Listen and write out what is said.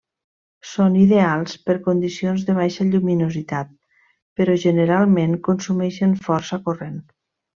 Són ideals per condicions de baixa lluminositat, però generalment consumeixen força corrent.